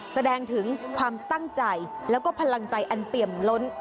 แสดงถึงความตั้งใจแล้วก็พลังใจอันเปี่ยมล้น